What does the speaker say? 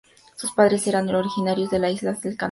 Sus padres eran originarios de las islas del Canal.